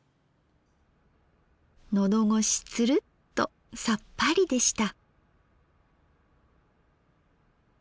のどごしツルッとさっぱりでした。